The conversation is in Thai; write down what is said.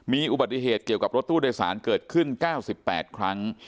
มีอุบัติเหตุเกี่ยวกับรถตู้โดยสารเกิดขึ้น๙๘ครั้ง